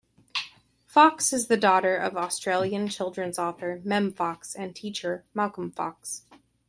Fox is the daughter of Australian children's author, Mem Fox and teacher Malcolm Fox.